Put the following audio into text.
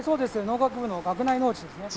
農学部の学内農地ですね。